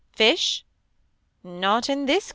Fish. Not in this country.